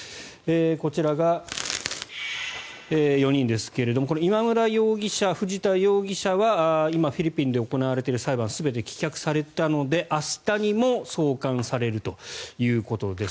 こちらが４人ですが今村容疑者、藤田容疑者は今、フィリピンで行われている裁判が全て棄却されたので明日にも送還されるということです。